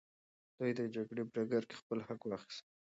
دوی د جګړې په ډګر کي خپل حق واخیست.